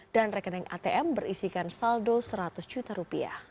dan rekening atm berisikan saldo seratus juta rupiah